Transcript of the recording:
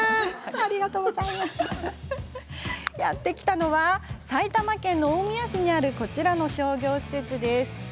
やって来たのは埼玉県大宮にあるこちらの商業施設。